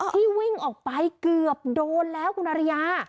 ที่วิ่งออกไปเกือบโดนแล้วคุณอริยา